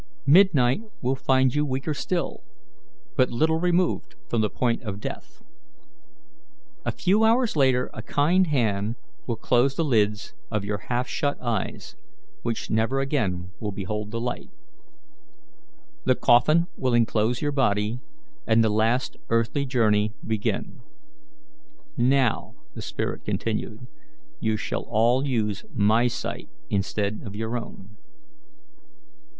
Midnight will find you weaker still, and but little removed from the point of death. A few hours later a kind hand will close the lids of your half shut eyes, which never again will behold the light. The coffin will inclose your body, and the last earthly journey begin. Now," the spirit continued, "you shall all use my sight instead of your own."